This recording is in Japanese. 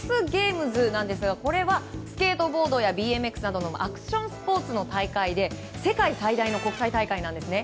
ＸＧＡＭＥＳなんですがスケートボードやＢＭＸなどのアクションスポーツの大会で世界最大の国際大会なんですね。